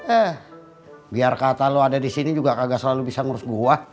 eh biar kata lu ada disini juga kagak selalu bisa ngurus gua